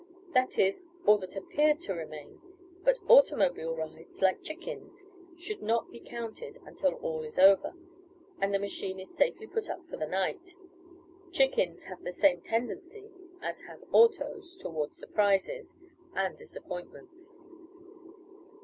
That is all that appeared to remain, but automobile rides, like chickens, should not be counted until all is over, and the machine is safely put up for the night. Chickens have the same tendency as have autos toward surprises and disappointments.